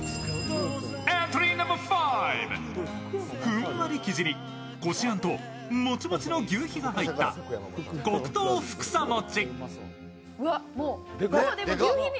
ふわり生地にこしあんともちもちの求肥が入った黒糖ふくさ餅。